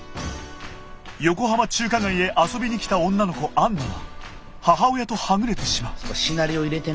横浜中華街へ遊びに来た女の子アンナは母親とはぐれてしまう。